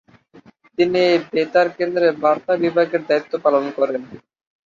তিনি এই বেতার কেন্দ্রে বার্তা বিভাগের দায়িত্ব পালন করেন।